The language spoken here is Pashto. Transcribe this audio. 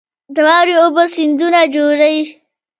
د واورې اوبه سیندونه جوړوي